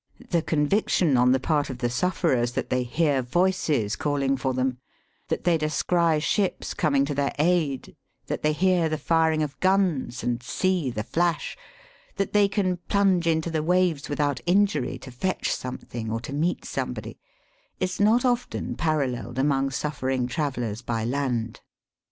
The conviction on the part of the suf ferers that they hear voices calling for them ; that they descry ships coming to their aid ; that they hear the firing of guns, and see the flash ; that they can plunge into the waves without injury, to fetch something or to meet somebody ; is not often paralleled among suffering travellers by land.